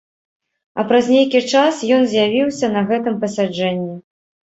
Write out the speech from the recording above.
А праз нейкі час ён з'явіўся на гэтым пасяджэнні.